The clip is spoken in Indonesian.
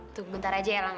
tunggu sebentar saja ya lang